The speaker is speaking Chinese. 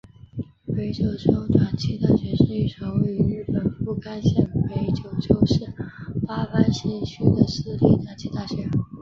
北九州短期大学是一所位于日本福冈县北九州市八幡西区的私立短期大学。